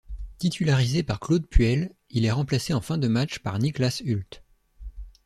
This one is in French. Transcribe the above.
Titularisé par Claude Puel, il est remplacé en fin de match par Niklas Hult.